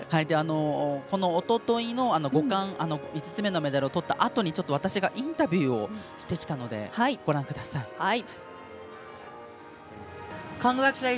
おとといの５つ目のメダルをとったあとちょっと私がインタビューをしてきたのでご覧ください。